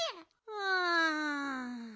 うん。